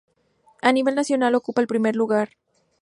A nivel nacional ocupa el primer lugar.